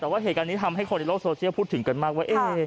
แต่ว่าเหตุการณ์นี้ทำให้คนในโลกโซเชียลพูดถึงกันมากว่า